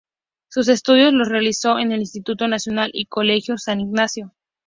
Sus estudios los realizó en el Instituto Nacional y Colegio San Ignacio.